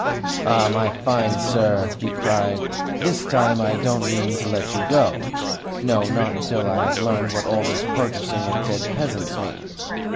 "Ah, my fine sir!" he cried. "THIS time I don't mean to let you go. No, not until I have learnt what all this purchasing of dead peasants means.